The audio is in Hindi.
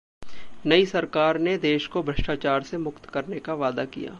नई सरकार ने देश को भ्रष्टाचार से मुक्त करने का वादा किया।